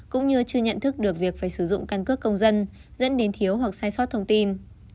cũng như chưa nhận thức được việc phải sử dụng căn cước công dân dẫn đến thiếu hoặc sai sót thông tin